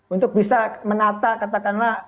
untuk bisa menata katakanlah